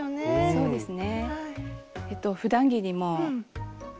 そうですね。